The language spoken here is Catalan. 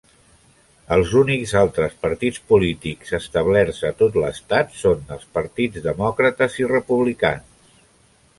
Els únics altres partits polítics establerts a tot l'estat són els partits demòcrates i republicans.